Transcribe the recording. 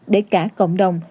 để cả cộng đồng